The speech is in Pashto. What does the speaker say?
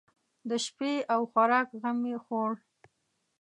د شپې او خوراک غم یې خوړ.